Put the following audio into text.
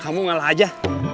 udah kamu ngalah aja